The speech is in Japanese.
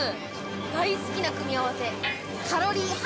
大好きな組み合わせ。